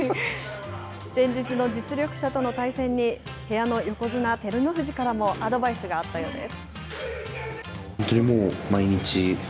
連日の実力者との対戦に、部屋の横綱・照ノ富士からも、アドバイスがあったようです。